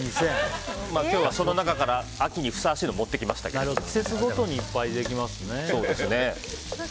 その中から秋にふさわしいのを季節ごとにいっぱいできますね。